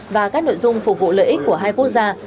và các nội dung phục vụ lợi ích của hai quốc gia